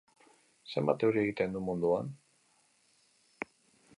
Zenbat euri egiten du munduan?